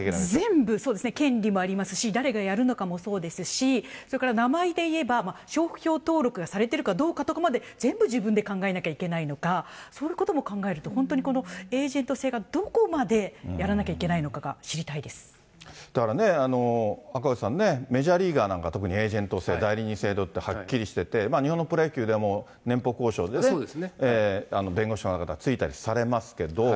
全部そうですね、権利もありますし、誰がやるのかもそうですし、それから名前でいえば、商標登録がされてるかどうかまで全部自分で考えなきゃいけないのか、そういうことも考えると、本当にこのエージェント制がどこまでやらなきゃいけないのかが知だからね、赤星さんね、メジャーリーガーなんか特にエージェント制、代理人制度ってはっきりしてて、日本のプロ野球でも、年俸交渉でね、弁護士の方がついたりされますけど。